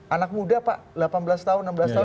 anak muda pak delapan belas tahun enam belas tahun